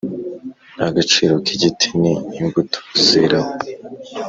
Agaciro kigiti ni imbuto zeraho